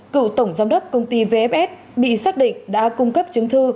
cựu tổng giám đốc công ty vfs bị xác định đã cung cấp chứng thư